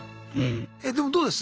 えでもどうです？